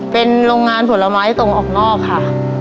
เป็นโรงงานผลไม้ตรงออกนอกค่ะ